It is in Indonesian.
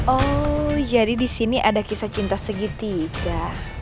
oh jadi disini ada kisah cinta segitiga